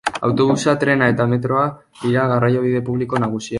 Autobusa, trena eta metroa dira garraiobide publiko nagusiak.